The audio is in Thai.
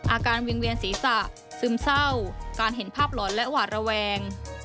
วิงเวียนศีรษะซึมเศร้าการเห็นภาพหลอนและหวาดระแวง